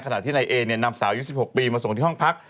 ขณะที่นายเอเนี่ยนำสาวยุค๑๖ปีมาส่งที่ห้องพัก